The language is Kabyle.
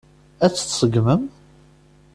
Ad t-tseggmem?